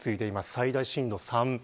最大震度３。